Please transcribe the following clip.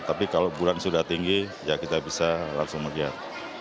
tapi kalau bulan sudah tinggi ya kita bisa langsung melihat